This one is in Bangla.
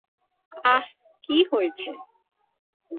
আহহ, কি হয়েছে?